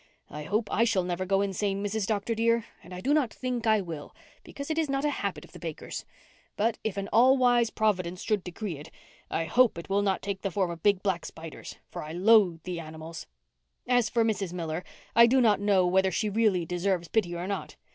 I hope I shall never go insane, Mrs. Dr. dear, and I do not think I will, because it is not a habit of the Bakers. But, if an all wise Providence should decree it, I hope it will not take the form of big black spiders, for I loathe the animals. As for Mrs. Miller, I do not know whether she really deserves pity or not.